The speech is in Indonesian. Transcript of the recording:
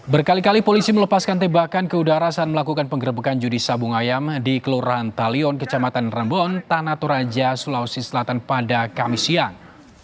berkali kali polisi melepaskan tembakan ke udara saat melakukan penggerbekan judi sabung ayam di kelurahan talion kecamatan rembon tanah toraja sulawesi selatan pada kamis siang